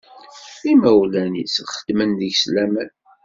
Imawlan-is xeddmen deg-s laman.